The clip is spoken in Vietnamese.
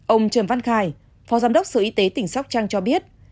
ông trần văn khải phó giám đốc sở y tế tỉnh sóc trăng cho biết